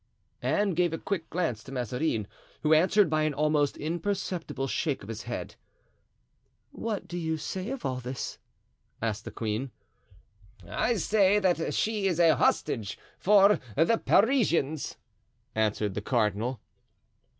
Anne gave a quick glance to Mazarin, who answered by an almost imperceptible shake of his head. "What do you say of this?" asked the queen. "I say that she is a hostage for the Parisians," answered the cardinal.